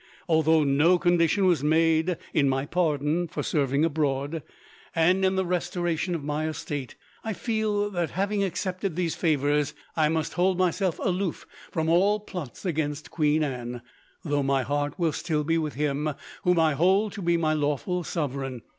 Although no condition was made, in my pardon for serving abroad and in the restoration of my estate, I feel that, having accepted these favours, I must hold myself aloof from all plots against Queen Anne, though my heart will still be with him whom I hold to be my lawful sovereign.